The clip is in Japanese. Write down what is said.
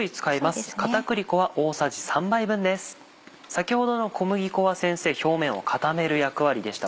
先ほどの小麦粉は先生表面を固める役割でした。